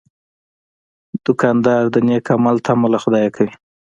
دوکاندار د نیک عمل تمه له خدایه کوي.